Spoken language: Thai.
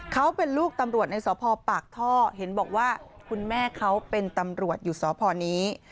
เขาเป็นลูกตำรวจในสพปากท่อเห็นบอกว่าคุณแม่เขาเป็นตำรวจอยู่สพนี้